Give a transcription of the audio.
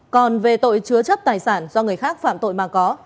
còn về tội chứa chấp tài sản do người khác phạm tội mà có